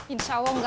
insya allah enggak